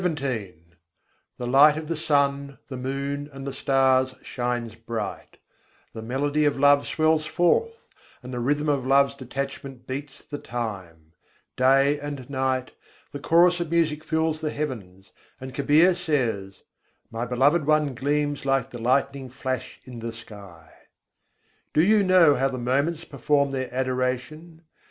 61. grah candra tapan jot varat hai The light of the sun, the moon, and the stars shines bright: The melody of love swells forth, and the rhythm of love's detachment beats the time. Day and night, the chorus of music fills the heavens; and Kabîr says "My Beloved One gleams like the lightning flash in the sky." Do you know how the moments perform their adoration?